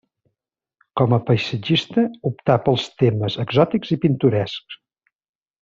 Com a paisatgista, optà pels temes exòtics i pintorescs.